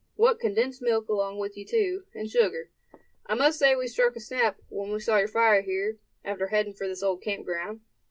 What, condensed milk along with you, too, and sugar. I must say we struck a snap when we saw your fire here, after heading for this old camp ground.